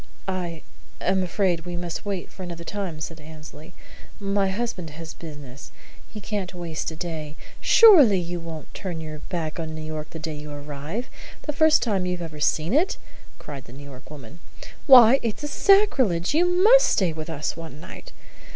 "I am afraid we must wait for another time," said Annesley. "My husband has business. He can't waste a day " "Surely you won't turn your back on New York the day you arrive, the first time you've ever seen it!" cried the New York woman. "Why, it's sacrilege! You must stay with us one night.